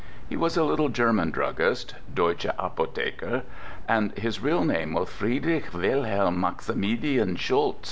He was a little German druggist—Deutsche Apotheker—and his real name was Friedrich Wilhelm Maximilian Schulz.